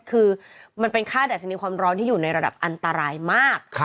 คือมันเป็นค่าดัชนีความร้อนที่อยู่ในระดับอันตรายมาก